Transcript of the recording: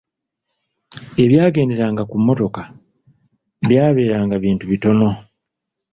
Ebyagenderanga ku mmotoka byabeeranga bintu bitono.